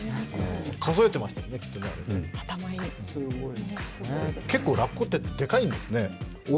数えてましたよね、きっとね結構、ラッコって、でかいんですね。